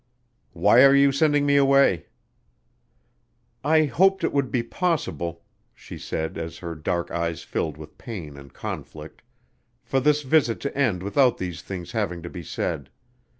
"Why are you sending me away?" "I hoped it would be possible," she said as her dark eyes filled with pain and conflict, "for this visit to end without these things having to be said.